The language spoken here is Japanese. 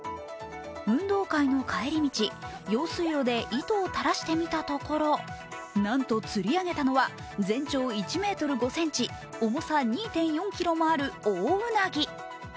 運動会の帰り道、用水路で糸を垂らしてみたところ、なんと、釣り上げたのは全長１ｍ５ｃｍ、重さ２．４ｋｇもあるオオウナギ。